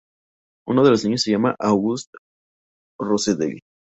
Uno de los niños se llama August Rosedale.